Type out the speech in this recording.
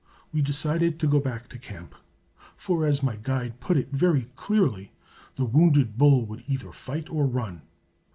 We decided to go back to camp; for, as my guide put it very clearly, the wounded bull would either fight or run.